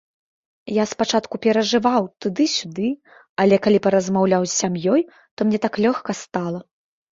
Я спачатку перажываў, туды-сюды, але калі паразмаўляў з сям'ёй, то мне так лёгка стала.